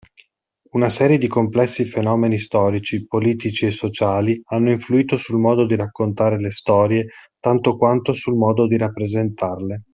Una serie di complessi fenomeni storici, politici e sociali hanno influito sul modo di raccontare le storie tanto quanto sul modo di rappresentarle.